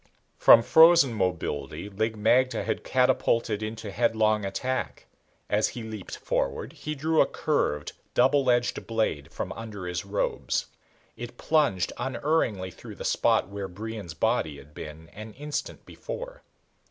From frozen mobility Lig magte had catapulted into headlong attack. As he leaped forward he drew a curved, double edged blade from under his robes. It plunged unerringly through the spot where Brion's body had been an instant before.